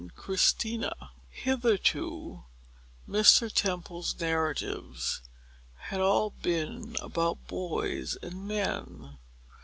Chapter IX Hitherto, Mr. Temple's narratives had all been about boys and men.